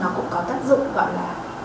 nó cũng có tác dụng gọi là